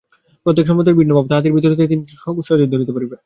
প্রত্যেক সম্প্রদায়ের ভিন্ন ভাব, তাহাদের ভিতরের কথাটা তিনি সহজেই ধরিতে পারিতেন।